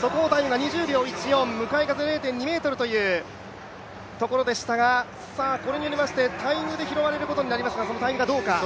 速報タイムが２０秒１４、向かい風０．２メートルというところでしたがこれによりまして、タイムで拾われることになりますが、タイムがどうか。